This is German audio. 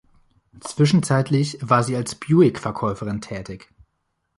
Zwischenzeitlich war sie als Buick-Verkäuferin tätig.